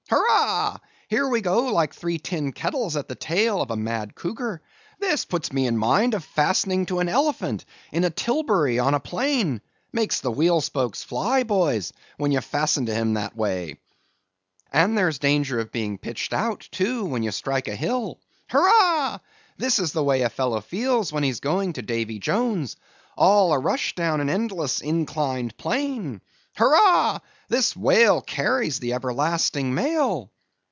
Hurrah!—Here we go like three tin kettles at the tail of a mad cougar! This puts me in mind of fastening to an elephant in a tilbury on a plain—makes the wheel spokes fly, boys, when you fasten to him that way; and there's danger of being pitched out too, when you strike a hill. Hurrah! this is the way a fellow feels when he's going to Davy Jones—all a rush down an endless inclined plane! Hurrah! this whale carries the everlasting mail!"